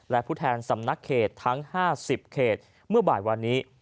และผู้แทนสำนักเขตทั้ง๕๐เขตเมื่อบ่ายวันนี้